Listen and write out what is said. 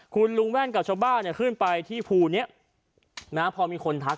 คุณลุงแว่นกับชาวบ้านเนี่ยขึ้นไปที่ภูนี้นะพอมีคนทัก